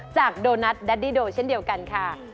จากโดนัทแดดดี้โดเช่นเดียวกันค่ะ